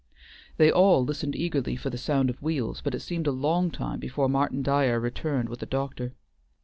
They all listened eagerly for the sound of wheels, but it seemed a long time before Martin Dyer returned with the doctor.